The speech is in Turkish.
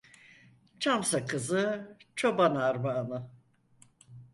Çam sakızı, çoban armağanı.